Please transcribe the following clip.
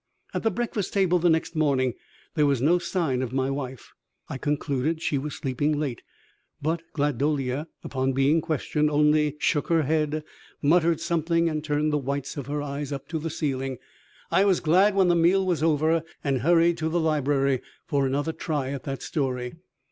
At the breakfast table the next morning there was no sign of my wife. I concluded she was sleeping late, but Gladolia, upon being questioned, only shook her head, muttered something, and turned the whites of her eyes up to the ceiling. I was glad when the meal was over and hurried to the library for another try at that story.